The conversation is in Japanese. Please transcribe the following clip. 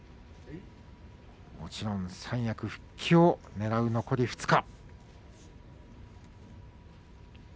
もちろん三役復帰をねらう残り２日。